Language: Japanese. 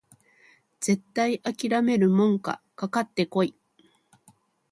絶対あきらめるもんかかかってこい！